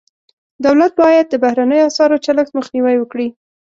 دولت باید د بهرنیو اسعارو چلښت مخنیوی وکړي.